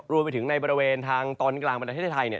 รวมไปถึงในบริเวณทางตอนกลางประเทศไทยเนี่ย